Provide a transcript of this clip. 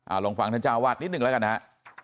ลองฟังท่านเจ้าวาดนิดหนึ่งแล้วกันฮะ